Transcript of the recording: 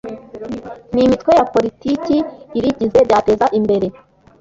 n Imitwe ya Politiki irigize byateza imbere